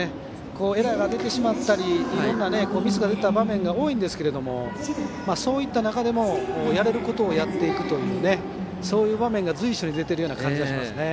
エラーが出てしまったりいろんなミスが出た場面が多いんですけどそういった中でもやれることをやっていくという場面が随所に出ている感じがしますね。